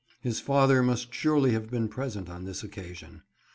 His father must surely have been present on this occasion.